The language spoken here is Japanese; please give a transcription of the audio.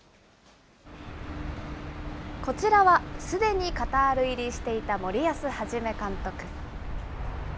こちらは、すでにカタール入りしていた森保一監督。